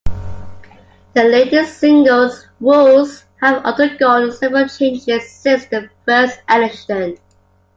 The Ladies' Singles' rules have undergone several changes since the first edition.